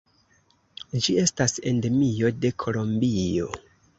Ĝi estas endemio de Kolombio.